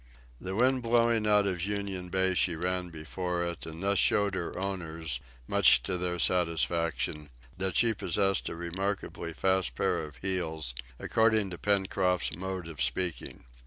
The wind blowing out of Union Bay she ran before it, and thus showed her owners, much to their satisfaction, that she possessed a remarkably fast pair of heels, according to Pencroft's mode of speaking.